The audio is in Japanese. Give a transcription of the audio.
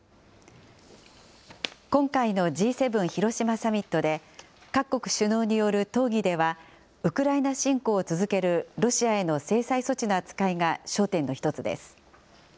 今回のＧ７広島サミットで、各国首脳による討議では、ウクライナ侵攻を続けるロシアへの制裁措置の扱いが焦点の一つです。